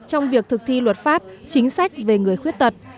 trong việc thực thi luật pháp chính sách về người khuyết tật